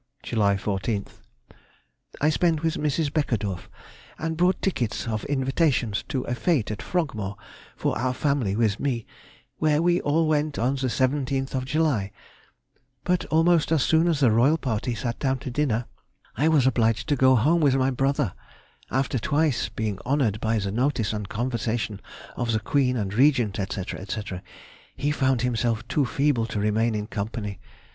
July 14th.—I spent with Mrs. Beckedorff and brought tickets of invitation to a fête at Frogmore, for our family, with me; where we all went on the 17th of July; but almost as soon as the Royal party sat down to dinner I was obliged to go home with my brother, after having twice been honoured by the notice and conversation of the Queen and Regent, &c., &c. He found himself too feeble to remain in company.